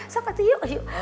sok atu yuk yuk